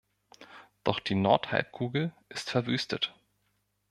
Doch die Nordhalbkugel ist verwüstet.